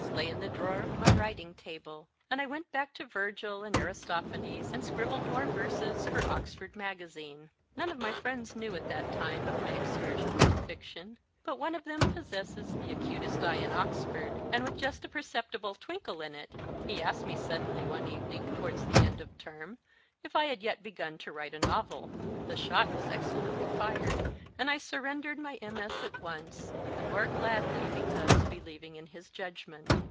lay in the drawer of my writing table ; and I went back to Virgil and Aristophanes and scribbled more verses for the Oxford Magazine. None of my friends knew at that time of my excursion into fiction ; but one of them possesses the acutest eye in Oxford, and, with 280 MY FIRST BOOK just a perceptible twinkle in it, he asked me suddenly, one evening towards the end of Term, if I had yet begun to write a novel. The shot was excellently fired, and I surrendered my MS. at once, the more gladly because believing in his judgment.